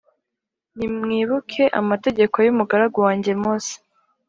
“Nimwibuke amategeko y’umugaragu wanjye Mose